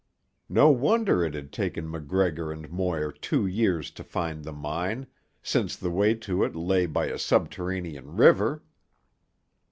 No wonder it had taken MacGregor and Moir two years to find the mine, since the way to it lay by a subterranean river!